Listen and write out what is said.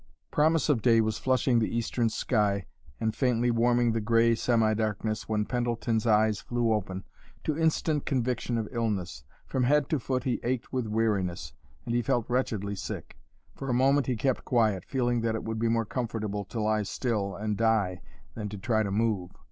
Promise of day was flushing the eastern sky and faintly warming the gray semi darkness when Pendleton's eyes flew open, to instant conviction of illness. From head to foot he ached with weariness, and he felt wretchedly sick. For a moment he kept quiet, feeling that it would be more comfortable to lie still and die than to try to move.